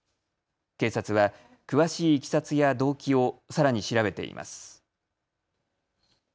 警察は詳しいいきさつや動機をさらに調べています。